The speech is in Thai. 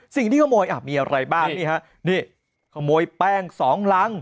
สิ่งที่ขโมยมีอะไรบ้างนี่ครับนี่ขโมยแป้ง๒ลัง